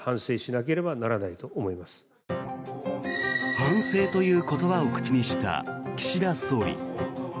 反省という言葉を口にした岸田総理。